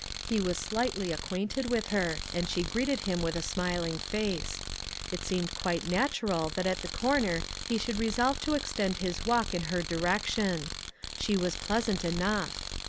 He was slightly acquainted with her, and she greeted him with a smiling face. It seemed quite nat ural that at the corner he should resolve to extend his walk in her direction ; she was pleasant enough.